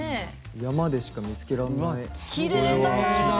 山でしか見つけられない、これは。